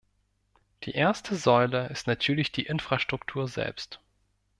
Die erste Säule ist natürlich die Infrastruktur selbst.